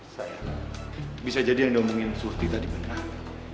sayang bisa jadi yang udah omongin surti tadi beneran